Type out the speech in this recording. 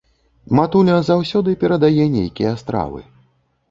Матуля заўсёды перадае нейкія стравы.